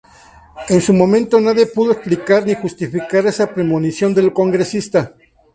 En su momento nadie pudo explicar ni justificar esa premonición del congresista.